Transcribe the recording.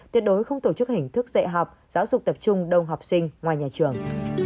tuyệt đối không tổ chức hình thức dạy học giáo dục tập trung đông học sinh ngoài nhà trường